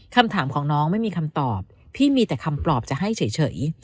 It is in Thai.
คำถามของน้องไม่มีคำตอบพี่มีแต่คำปลอบจะให้เฉย